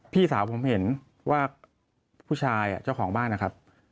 พี่สาวผมเห็นว่าผู้ชายเจ้าของบ้านนะครับ